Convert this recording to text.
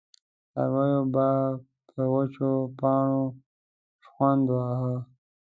څارويو به پر وچو پاڼو شخوند واهه.